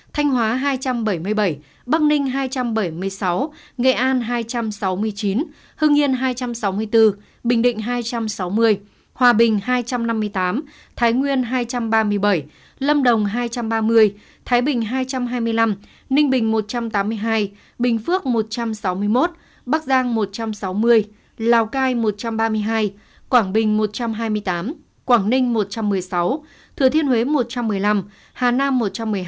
thanh hóa hai trăm bảy mươi bảy bắc ninh hai trăm bảy mươi sáu nghệ an hai trăm sáu mươi chín hưng yên hai trăm sáu mươi bốn bình định hai trăm sáu mươi hòa bình hai trăm năm mươi tám thái nguyên hai trăm ba mươi bảy lâm đồng hai trăm ba mươi thái bình hai trăm hai mươi năm ninh bình một trăm tám mươi hai bình phước một trăm sáu mươi một bắc giang một trăm sáu mươi lào cai một trăm ba mươi hai quảng bình một trăm hai mươi tám quảng ninh một trăm một mươi sáu thừa thiên huế một trăm một mươi năm hà nam một trăm một mươi hai